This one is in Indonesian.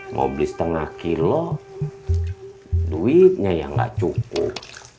mau beli setengah kilo duitnya ya nggak cukup